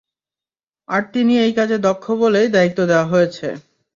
আর তিনি এই কাজে দক্ষ বলেই দায়িত্ব দেয়া হয়েছে।